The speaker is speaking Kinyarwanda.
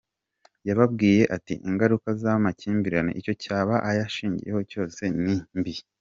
Yababwiye ati :"Ingaruka z’amakimbirane, icyo yaba ashingiyeho cyose, ni mbi.